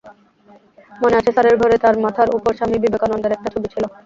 মনে আছে, স্যারের ঘরে তাঁর মাথার ওপর স্বামী বিবেকানন্দের একটা ছবি ছিল।